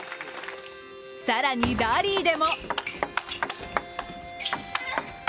更に、ラリーでも。